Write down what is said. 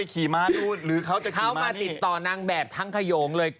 เขามาติดต่อนางแบบทางขยงเลย